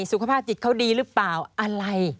สุขภาพจิตเขาดีหรือเปล่าอะไร